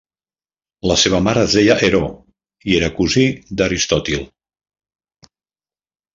La seva mare es deia Heró i era cosí d'Aristòtil.